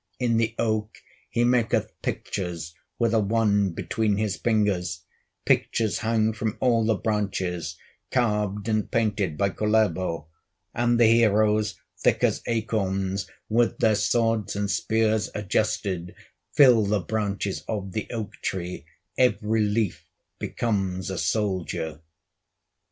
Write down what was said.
In the oak he maketh pictures With a wand between his fingers; Pictures hang from all the branches, Carved and painted by Kullervo; And the heroes, thick as acorns, With their swords and spears adjusted, Fill the branches of the oak tree, Every leaf becomes a soldier."